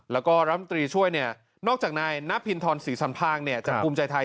แล้วก็รัฐมนตรีช่วยนอกจากนายน้าพิณฑ์ธรสี่สันฟ่างคุมใจไทย